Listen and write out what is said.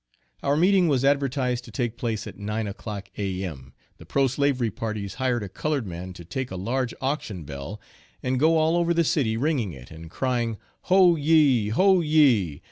Our meeting was advertised to take place at nine o'clock, A.M. The pro slavery parties hired a colored man to take a large auction bell, and go all over the city ringing it, and crying, "ho ye! ho ye!